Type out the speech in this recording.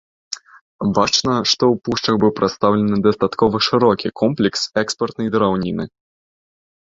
Бачна, што ў пушчах быў прадстаўлены дастаткова шырокі комплекс экспартнай драўніны.